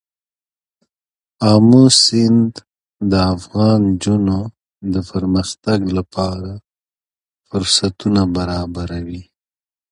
آمو سیند د افغان نجونو د پرمختګ لپاره فرصتونه برابروي.